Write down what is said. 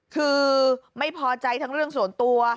คือไม่พอใจทั้งเรื่องส่วนตัว